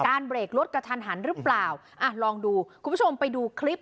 เบรกรถกระทันหันหรือเปล่าอ่ะลองดูคุณผู้ชมไปดูคลิป